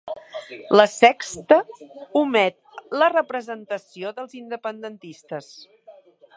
La Sexta omet la representació dels independentistes